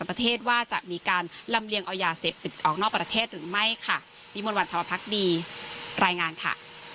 ประเทศว่าจะมีการลำเลียงเอายาเสพติดออกนอกประเทศหรือไม่ค่ะวิมวลวันธรรมพักดีรายงานค่ะ